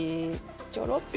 ちょろっと。